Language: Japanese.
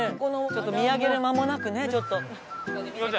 ちょっと見上げる間もなくねちょっと。